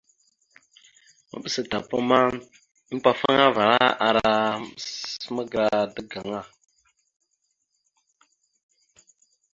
Maɓəsa tapa ma tapafaŋava ara magəra daga aŋa.